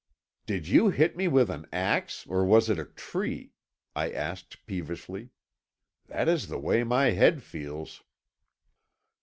"Did you hit me with an axe, or was it a tree?" I asked peevishly. "That is the way my head feels."